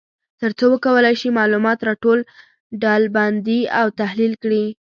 تر څو وکولای شي معلومات را ټول، ډلبندي او تحلیل کړي.